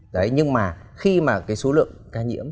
đấy nhưng mà khi mà cái số lượng ca nhiễm